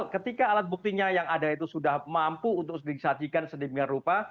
ketika alat buktinya yang ada itu sudah mampu untuk disajikan sedemikian rupa